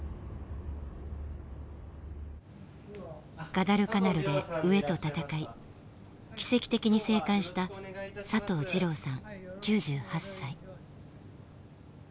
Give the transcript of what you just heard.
ガダルカナルで飢えと闘い奇跡的に生還した佐藤二郎さん９８歳。